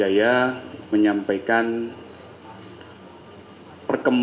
assalamualaikum wr wb